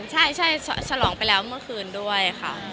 ใช่ฉลองไปแล้วเมื่อคืนด้วยค่ะ